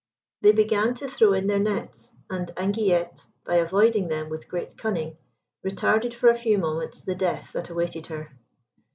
They began to throw in their nets, and Anguillette, by avoiding them with great cunning, retarded for a few moments the death that awaited her.